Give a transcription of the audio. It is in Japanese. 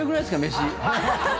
飯。